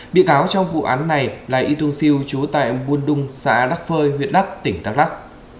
bị cáo trong vụ án này là y tung siu chú tại buôn đung xã đắk phơi huyện đắk tỉnh đắk lắc